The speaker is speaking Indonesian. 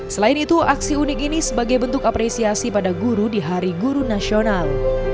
selain itu aksi unik ini sebagai bentuk apresiasi pada guru di hari guru nasional